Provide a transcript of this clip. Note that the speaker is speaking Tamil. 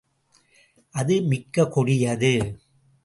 அது மிகக் கொடியது.